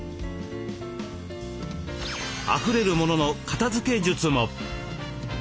あふれる物の片づけ術も。